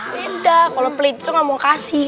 beda kalau pelit tuh gak mau kasih